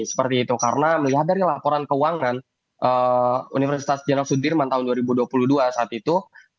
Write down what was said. seperti itu karena melihat dari laporan keuangan universitas jenal sudirman tahun dua ribu dua puluh dua saat itu